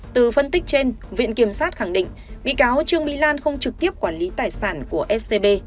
từ phân tích trên viện kiểm sát khẳng định bị cáo trương mỹ lan không trực tiếp quản lý tài sản của scb